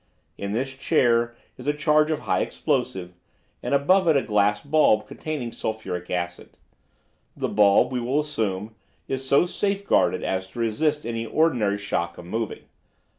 In this chair is a charge of high explosive and above it a glass bulb containing sulphuric acid. The bulb, we will assume, is so safe guarded as to resist any ordinary shock of moving.